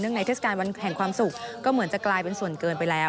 ในเทศกาลวันแห่งความสุขก็เหมือนจะกลายเป็นส่วนเกินไปแล้ว